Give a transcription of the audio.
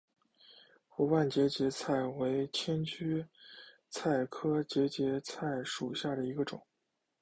薄瓣节节菜为千屈菜科节节菜属下的一个种。